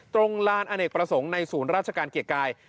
ตรงลานอเนกประสงค์ในศูนย์ราชการเกียรติกาย